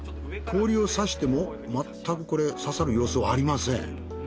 氷を刺してもまったくこれ刺さる様子はありません。